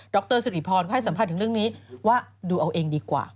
รสุริพรก็ให้สัมภาษณ์ถึงเรื่องนี้ว่าดูเอาเองดีกว่า